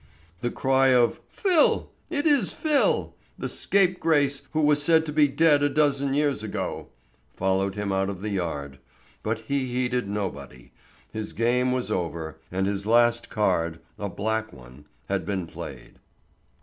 The cry of "Phil! It is Phil, the scape grace who was said to be dead a dozen years ago," followed him out of the yard; but he heeded nobody, his game was over, and his last card, a black one, had been played.